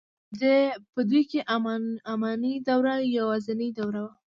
په دوی کې اماني دوره یوازنۍ دوره وه.